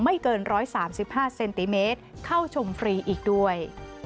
ไม่เกิน๑๓๕เซนติเมตรเข้าชมฟรีอีกด้วย